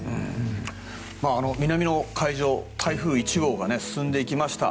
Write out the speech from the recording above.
南の海上、台風１号が進んでいきました。